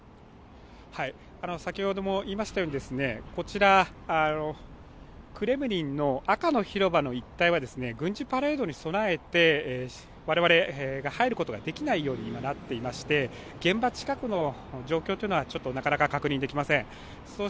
こちら、クレムリンの、赤の広場の一帯は軍事パレードに備えて我々が入ることができないように今なっていまして現場近くの状況というのはちょっとなかなか確認できません。